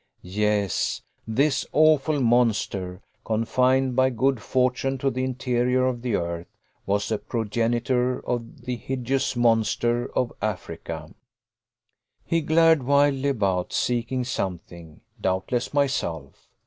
Yes! This awful monster, confined by good fortune to the interior of the earth, was the progenitor of the hideous monster of Africa. He glared wildly about, seeking something doubtless myself.